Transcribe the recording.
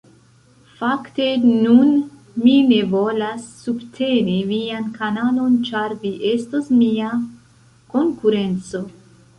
Fakte nun mi ne volas subteni vian kanalon ĉar vi estos mia konkurenco